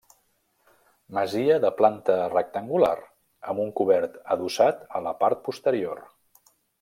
Masia de planta rectangular amb un cobert adossat a la part posterior.